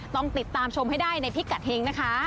ต้องติดตามชมให้ได้ในพิกัดเฮงนะคะ